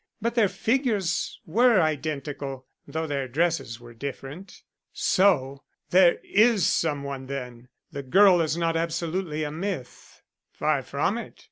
But their figures were identical though their dresses were different." "So! there is some one then; the girl is not absolutely a myth." "Far from it.